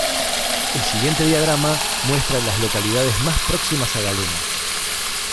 El siguiente diagrama muestra a las localidades más próximas a Galena.